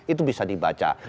itu bisa dibaca